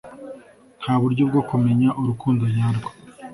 nta buryo bwo kumenya urukundo nyarwo